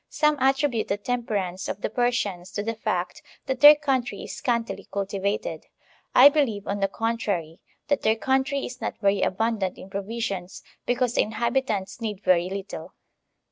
Some attribute the temperance of the Persians to the fact that their country is scantily cultivated; I believe, on the contrary, that their country is not very abimdant in provisions because the inhabitants need very little.